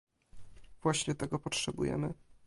Właśnie tego potrzebujemy